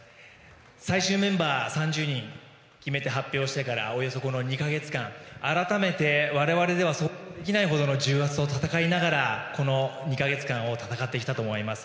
最終メンバー３０人決めて発表してからおよそ２か月間、改めて我々では想像できないほどの重圧と闘いながらこの２か月間を戦ってきたと思います。